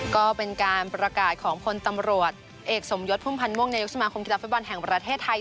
ก็เป็นการประกาศของพลตำรวจเอกสมยศพุ่มพันธ์ม่วงนายกสมาคมกีฬาฟุตบอลแห่งประเทศไทย